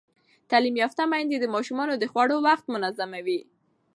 تعلیم یافته میندې د ماشومانو د خوړو وخت منظموي.